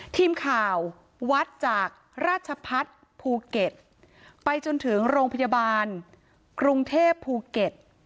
ทีมข่าววัดจากราชพัฒน์ภูเก็ตไปจนถึงโรงพยาบาลกรุงเทพภูเก็ต